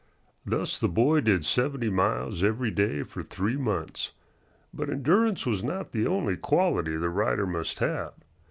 Thus the boy did seventy miles every day for three months. But endurance was not the only quality the rider must have.